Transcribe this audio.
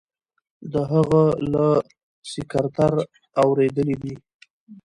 د هغه له سکرتر اوریدلي دي.